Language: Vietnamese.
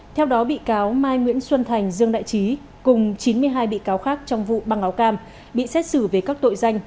theo đó bị cáo mai nguyễn xuân thành dương đại trí cùng chín mươi hai bị cáo khác trong vụ băng áo cam bị xét xử về các tội danh